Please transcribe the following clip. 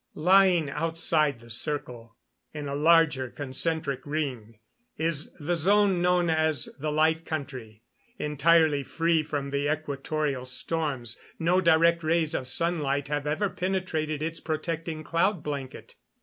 Lying outside the circle, in a larger, concentric ring, is the zone known as the Light Country. Entirely free from the equatorial storms, no direct rays of sunlight have ever penetrated its protecting cloud blanket.